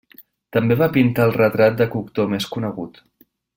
També va pintar el retrat de Cocteau més conegut.